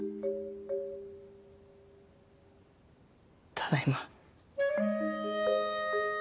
ただいま。